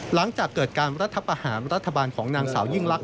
หลังจากเกิดการรัฐประหารรัฐบาลของนางสาวยิ่งลักษ